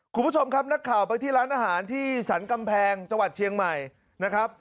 คุณผู้ชมครับนักข่าวไปที่ร้านอาหารที่สรรกำแพงจังหวัดเชียงใหม่นะครับ